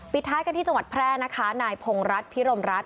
ท้ายกันที่จังหวัดแพร่นะคะนายพงรัฐพิรมรัฐ